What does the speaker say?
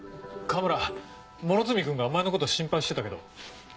河村両角君がお前のこと心配してたけど。